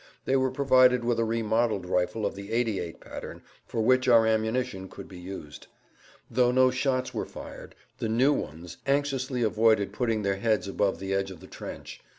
They were provided with a remodeled rifle of the 88 pattern for which our ammunition could be used. Though no shots were fired the "new ones" anxiously avoided putting their heads above the edge of the trench.